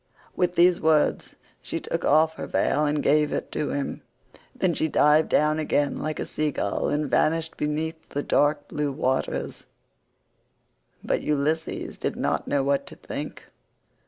With these words she took off her veil and gave it him. Then she dived down again like a sea gull and vanished beneath the dark blue waters. But Ulysses did not know what to think.